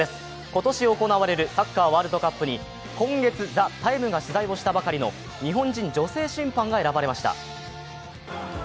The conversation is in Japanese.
今年行われるサッカーワールドカップに、今月、「ＴＨＥＴＩＭＥ，」が取材したばかりの日本人女性審判が選ばれました。